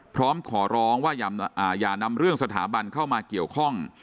พร้อมขอร้องว่าอย่านำเรื่องสถาบันเข้ามาเกี่ยวข้อง